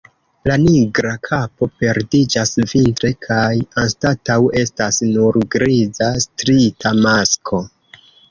La nigra kapo perdiĝas vintre kaj anstataŭ estas nur griza striita masko.